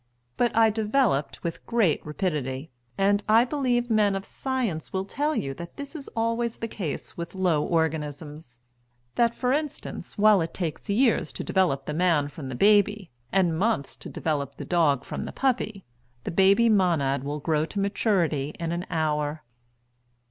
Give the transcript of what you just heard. But I developed with great rapidity; and I believe men of science will tell you that this is always the case with low organisms. That, for instance, while it takes years to develop the man from the baby, and months to develop the dog from the puppy, the baby monad will grow to maturity in an hour.